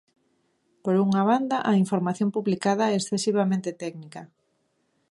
Por unha banda, a información publicada é excesivamente técnica.